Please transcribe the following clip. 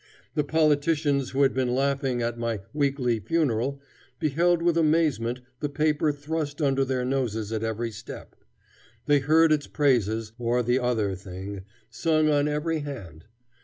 The politicians who had been laughing at my "weekly funeral" beheld with amazement the paper thrust under their noses at every step. They heard its praises, or the other thing, sung on every hand.